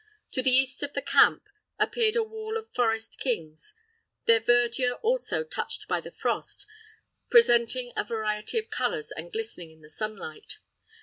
To the east of the camp appeared a wall of forest kings, their verdure, also, touched by the frost, presenting a variety of colors, and glistening in the sunlight.